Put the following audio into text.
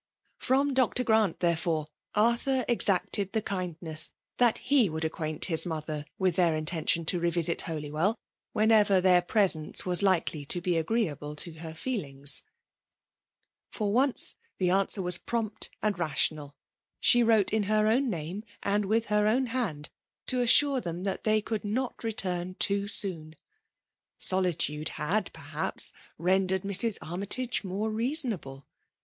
FVom I>r. Grant, therefore, Arthur exacted the kindness that he would acquaint his mother with their intention to revisit Holywell* when* ever their presence was likely to be agreeable to her feelings. [3 2 I f PBMAI.B DOHlNiLTlXKC 171 For (Hkce, the answer was prompt and rar IbnaL She wrote ia hex own name^ and. with her own liaiid, to assure tliem thai they conld Bot return too soon. Solitude had, perhaps^ rendered Mrs. Armytage more reasonable.